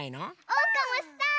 おうかもしたい！